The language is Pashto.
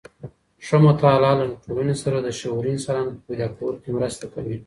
ښه مطالعه له ټولني سره د شعوري انسانانو په پيدا کولو کي مرسته کوي.